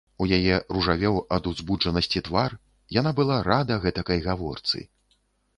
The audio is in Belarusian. У яе ружавеў ад узбуджанасці твар, яна была рада гэтакай гаворцы.